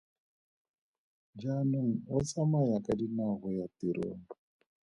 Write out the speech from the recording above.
Jaanong o tsamaya ka dinao go ya tirong.